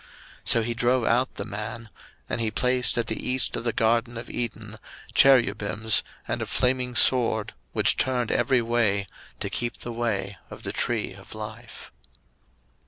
01:003:024 So he drove out the man; and he placed at the east of the garden of Eden Cherubims, and a flaming sword which turned every way, to keep the way of the tree of life.